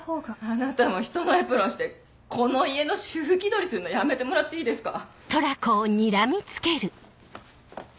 あなたもひとのエプロンしてこの家の主婦気取りするのやめてもらっていいですか？